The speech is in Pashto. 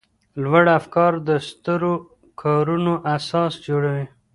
لوړ افکار د سترو کارونو اساس جوړوي.